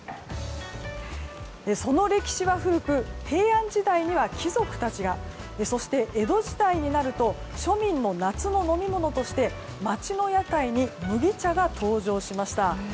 その歴史は古く平安時代には貴族たちがそして江戸時代になると庶民の夏の飲み物として街の屋台に麦茶が登場しました。